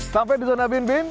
sampai di zona binbin